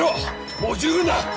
もう十分だ。